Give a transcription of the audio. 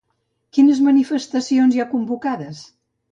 Quines manifestacions hi ha convocades?